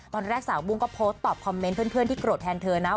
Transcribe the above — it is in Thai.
สาวบุ้งก็โพสต์ตอบคอมเมนต์เพื่อนที่โกรธแทนเธอนะ